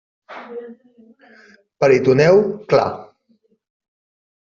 Peritoneu clar.